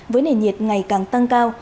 với nền nhiệt ngày càng tăng cao